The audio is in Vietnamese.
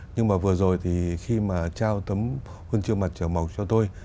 nhưng mà vừa rồi thì khi mà trao tấm khuôn trường mặt trở màu cho tôi